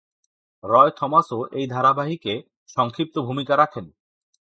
রয় থমাসও এই ধারাবাহিকে সংক্ষিপ্ত ভূমিকা রাখেন।